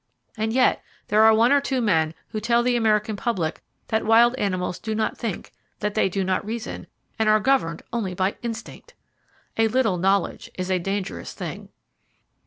And yet there are one or two men who tell the American public that wild animals do not think, that they do not reason, and are governed only by "instinct"! "A little knowledge is a dangerous thing!"